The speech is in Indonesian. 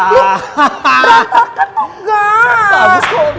lu berantakan dong